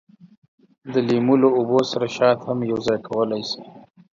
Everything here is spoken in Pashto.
د لیمو له اوبو سره شات هم یوځای کولای شئ.